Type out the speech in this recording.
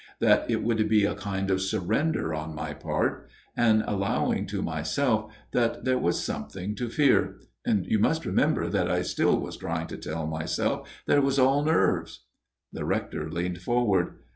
That would be a kind of surrender on my part an allowing to myself that there was something to fear ; and you must remember that I still was trying to tell myself that it was all nerves.'* The Rector leaned forward.